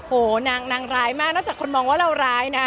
โหนางร้ายมากนอกจากคนมองว่าเราร้ายนะ